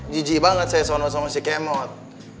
jijik banget saya senang sama si kemod